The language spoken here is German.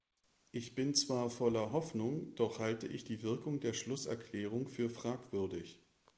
Ich bin zwar voller Hoffnung, doch halte ich die Wirkung der Schlusserklärung für fragwürdig.